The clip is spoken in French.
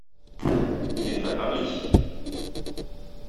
Il est à Paris?